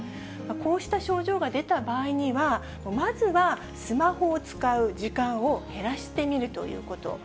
こうした症状が出た場合には、まずはスマホを使う時間を減らしてみるということ。